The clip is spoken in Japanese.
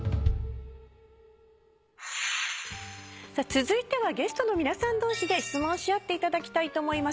続いてはゲストの皆さん同士で質問し合っていただきたいと思います。